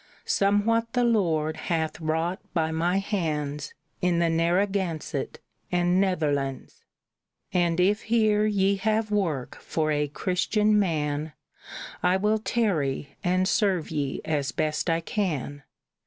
Somewhat the Lord hath wrought by my hands In the Narragansett and Netherlands, And if here ye have work for a Christian man, I will tarry, and serve ye as best I can.